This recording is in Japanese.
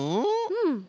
うん。